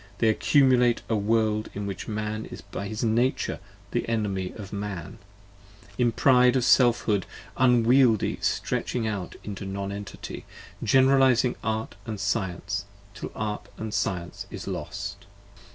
they accumulate A World in which Man is by his Nature the Enemy of Man, In pride of Selfhood unwieldy stretching out into Non Entity, Generalizing Art & Science till Art & Science is lost.